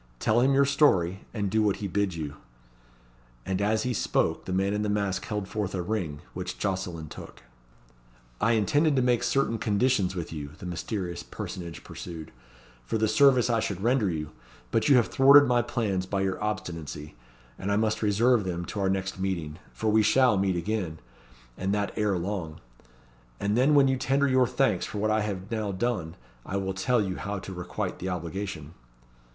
Tell him your story; and do what he bids you." And as he spoke the man in the mask held forth a ring, which Jocelyn took. "I intended to make certain conditions with you," the mysterious personage pursued, "for the service I should render you, but you have thwarted my plans by your obstinacy, and I must reserve them to our next meeting. For we shall meet again, and that ere long; and then when you tender your thanks for what I have now done, I will tell you how to requite the obligation."